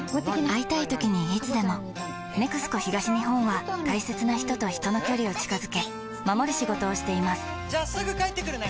会いたいときにいつでも「ＮＥＸＣＯ東日本」は大切な人と人の距離を近づけ守る仕事をしていますじゃあすぐ帰ってくるね！